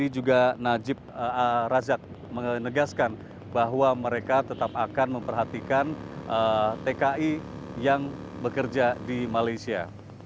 juga najib rajak menegaskan bahwa mereka tetap akan memperhatikan tki yang bekerja di malaysia